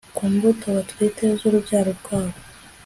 Ku mbuto batwite zurubyaro rwabo